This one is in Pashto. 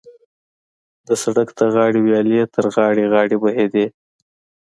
د سړک د غاړې ویالې تر غاړې غاړې بهېدې.